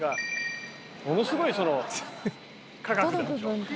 ものすごいその科学なんでしょ。